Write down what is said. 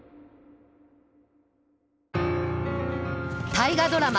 大河ドラマ